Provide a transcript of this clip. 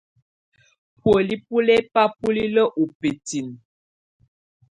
Bùóli bɔ́ lɛ bá bulilǝ́ ú bǝ́tinǝ́.